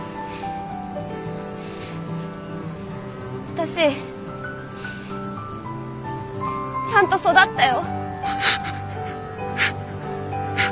私ちゃんと育ったよ。